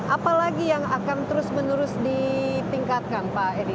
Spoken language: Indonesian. apalagi yang akan terus menerus ditingkatkan pak edi